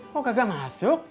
kok kagak masuk